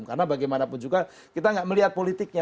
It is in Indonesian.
karena bagaimanapun juga kita gak melihat politiknya